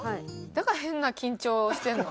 だから変な緊張してるの？